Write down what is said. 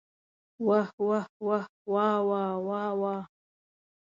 واه واه واه واوا واوا.